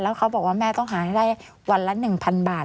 เขาบอกว่าแม่ต้องหาให้ได้วันละ๑๐๐๐บาท